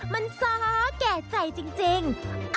มันซ้าแก่ใจจริง